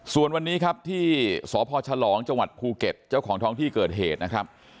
ส่วนวันนี้ครับที่สพฉลองจังหวัดภูเก็ตเจ้าของท้องที่เกิดเหตุนะครับ